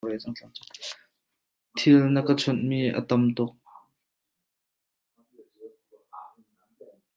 Thil na ka chonh mi a tam tuk.